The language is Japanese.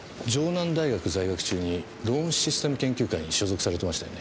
大学在学中にローンシステム研究会に所属されてましたよね？